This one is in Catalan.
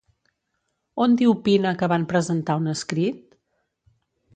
On diu Pina que van presentar un escrit?